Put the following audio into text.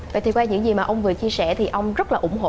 vậy thì qua những gì mà ông vừa chia sẻ thì ông rất là ủng hộ